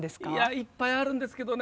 いっぱいあるんですけどね